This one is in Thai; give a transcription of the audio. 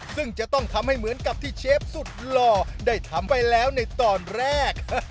ซึ่งจะต้องทำให้เหมือนกับที่เชฟสุดหล่อได้ทำไปแล้วในตอนแรก